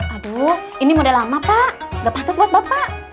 aduh ini model lama pak gak patut buat bapak